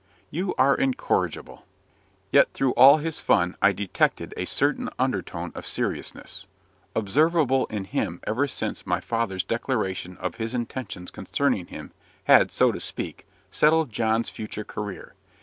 "You are incorrigible." Yet, through all his fun, I detected a certain under tone of seriousness, observable in him ever since my father's declaration of his intentions concerning him, had, so to speak, settled John's future career.